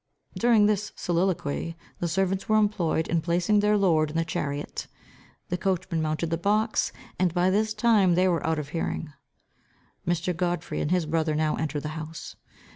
During this soliloquy, the servants were employed in placing their lord in the chariot. The coachman mounted the box, and by this time they were out of hearing. Mr. Godfrey and his brother now entered the house.